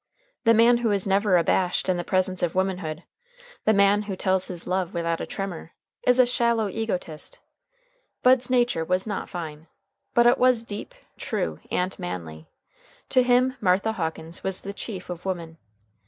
The man who is never abashed in the presence of womanhood, the man who tells his love without a tremor, is a shallow egotist. Bud's nature was not fine. But it was deep, true, and manly. To him Martha Hawkins was the chief of women.